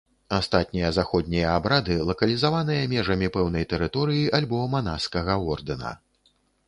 Астатнія заходнія абрады лакалізаваныя межамі пэўнай тэрыторыі альбо манаскага ордэна.